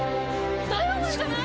ダイワマンじゃない？